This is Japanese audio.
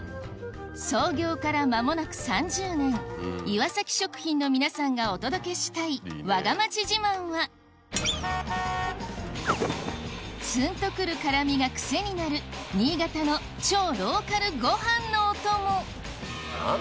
創業から間もなく３０年岩食品の皆さんがお届けしたいわが町自慢はツンとくる辛味が癖になる新潟の超ローカルご飯のお供